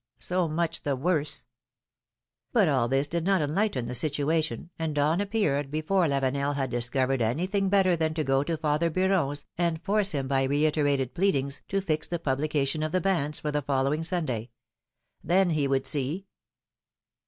so much the worse philomJ^ne's makriages. 303 But all tills did not enlighten the situation, and dawn appeared before Lavenel had discovered anything better than to go to father Beuron^s and force him by reiterated pleadings, to fix the publication of the banns for the follow ing Sunday. Then he would see